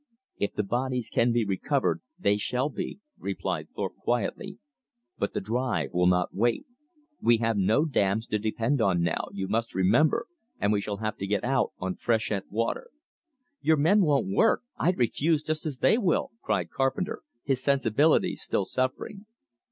"If the bodies can be recovered, they shall be," replied Thorpe quietly. "But the drive will not wait. We have no dams to depend on now, you must remember, and we shall have to get out on freshet water." "Your men won't work. I'd refuse just as they will!" cried Carpenter, his sensibilities still suffering.